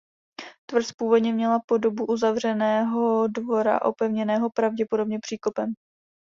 Tvrz původně měla podobu uzavřeného dvora opevněného pravděpodobně příkopem.